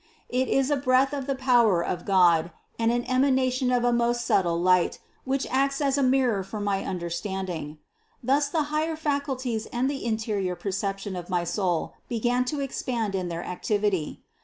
It is a breath of the power of God and an ema nation of a most subtle light, which acts as a mirror for my understanding. Thus the higher faculties and the in terior perception of my soul began to expand in their activity.